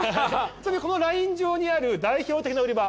ちなみにこのライン上にある代表的な売り場